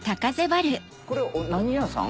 これは何屋さん？